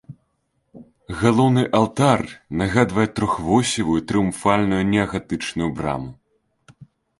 Галоўны алтар нагадвае трохвосевую трыумфальную неагатычную браму.